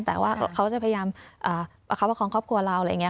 แต่ว่าเขาจะพยายามประคับประคองครอบครัวเราอะไรอย่างนี้